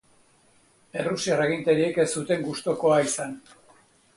Errusiar agintariek ez zuten gustukoa izan.